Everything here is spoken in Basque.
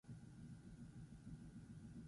Abokatuek absoluzioa eskatuko dute.